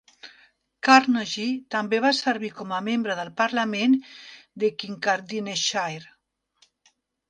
Carnegie també va servir com a membre del Parlament de Kincardineshire.